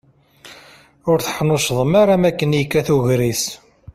Ur teḥnuccḍem ara makken yekkat ugris.